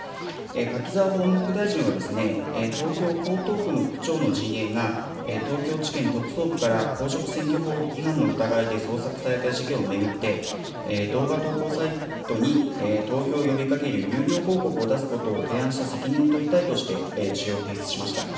柿沢法務副大臣はですね、東京・江東区の区長の陣営が、東京地検特捜部から公職選挙法違反の疑いで捜索された事件を巡って、動画投稿サイトに投票を呼びかける有料広告を出すことを提案した責任を取りたいとして、辞表を提出しました。